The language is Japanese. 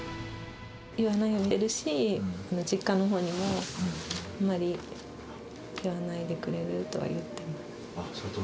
言わないようにしてるし、実家のほうにも、あまり言わないでくれる？とは言っています。